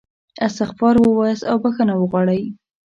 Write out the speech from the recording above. استغفار ووایاست او بخښنه وغواړئ.